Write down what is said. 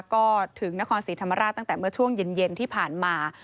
ก็ถึงนครศรีธรรมราชตั้งแต่เมื่อช่วงเย็นที่ผ่านมา